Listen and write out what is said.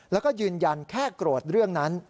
แล้วก็ยืนยันแค่โกรธเรื่องนั้น